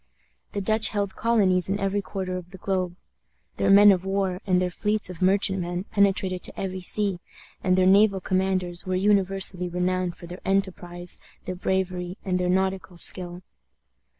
The Dutch held colonies in every quarter of the globe. Their men of war and their fleets of merchantmen penetrated to every sea, and their naval commanders were universally renowned for their enterprise, their bravery, and their nautical skill.